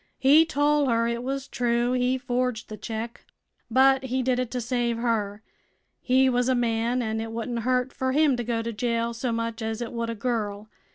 He tol' her it was true he forged th' check, but he did it to save her. He was a man an' it wouldn't hurt fer him to go to jail so much as it would a girl.